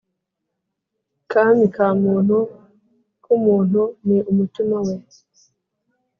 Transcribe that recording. Kami ka muntu [k’umuntu] ni umutima we.